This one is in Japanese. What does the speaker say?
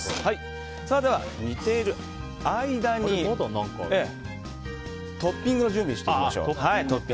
では、煮ている間にトッピングの準備をしていきましょう。